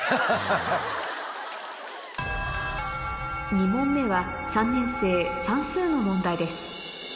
２問目は３年生算数の問題です